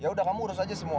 ya udah kamu urus aja semua